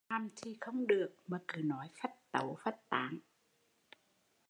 Làm thì không được mà cứ nói phách tấu phách tán